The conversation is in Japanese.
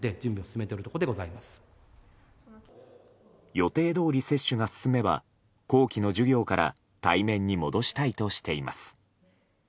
予定どおり接種が進めば後期の授業から対面に戻したいとしています。